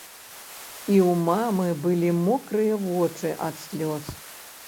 І ў мамы былі мокрыя вочы ад слёз.